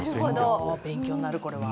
勉強になる、これは。